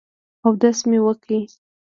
اودس مې وکړ.